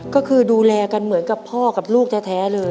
ก็คือดูแลกันเหมือนกับพ่อกับลูกแท้เลย